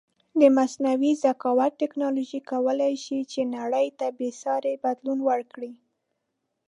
د مصنوعې زکاوت ټکنالوژی کولی شې چې نړی ته بیساری بدلون ورکړې